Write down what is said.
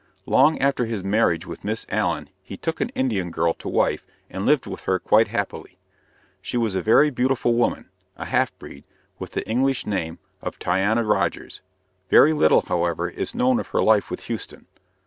Long after his marriage with Miss Allen he took an Indian girl to wife and lived with her quite happily. She was a very beautiful woman, a half breed, with the English name of Tyania Rodgers. Very little, however, is known of her life with Houston.